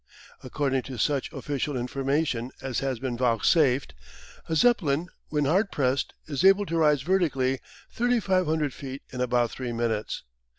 According to such official information as has been vouchsafed, a Zeppelin, when hard pressed, is able to rise vertically 3,500 feet in about three minutes.